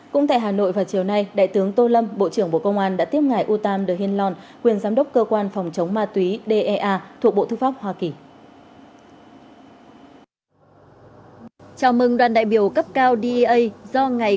cũng tại hà nội vào chiều nay đại tướng tô lâm bộ trưởng bộ công an đã tiếp ngài utam de hiên lon quyền giám đốc cơ quan phòng chống ma túy dea thuộc bộ thư pháp hoa kỳ